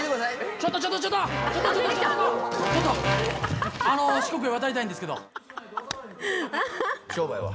ちょっとちょっとちょっとちょっとあの四国へ渡りたいんですけど商売は？